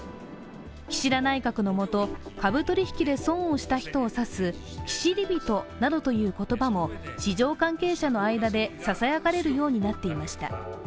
岸田内閣の下、株取引で損をした人を指す岸り人などという言葉も市場関係者の間でささやかれるようになっていました。